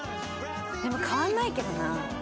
変わんないけどな。